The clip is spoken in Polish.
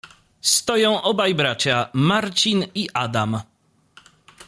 Stoją obaj bracia: Marcin i Adam.